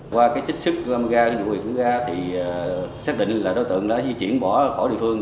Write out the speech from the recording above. qua cái trích sức gà dụ huyện gà thì xác định là đối tượng đã di chuyển bỏ khỏi địa phương